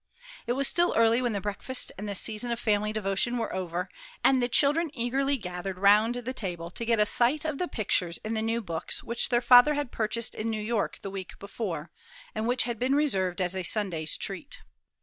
It was still early when the breakfast and the season of family devotion were over, and the children eagerly gathered round the table to get a sight of the pictures in the new books which their father had purchased in New York the week before, and which had been reserved as a Sunday's treat.